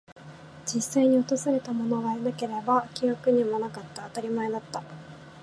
実際に訪れたものはいなければ、記憶にもなかった。当たり前だった。